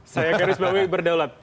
saya garis bawi berdaulat